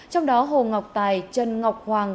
trong đó hồ ngọc tài trần ngọc hoàng